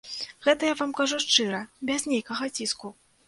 Гэта я вам кажу шчыра, без нейкага ціску.